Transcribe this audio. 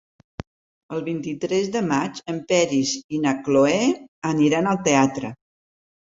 El vint-i-tres de maig en Peris i na Cloè aniran al teatre.